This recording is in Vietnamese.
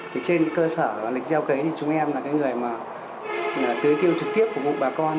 thì trên cơ sở lịch gieo cấy thì chúng em là cái người mà tưới tiêu trực tiếp phục vụ bà con